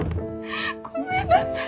ごめんなさい。